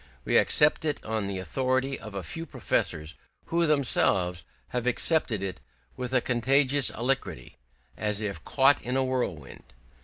We accept it on the authority of a few professors who themselves have accepted it with a contagious alacrity, as if caught in a whirlwind.